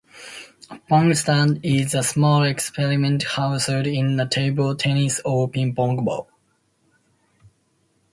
A PongSat is a small experiment housed in a table tennis or ping-pong ball.